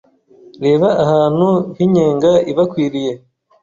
Reba ahantu h'inyenga ibakwiriye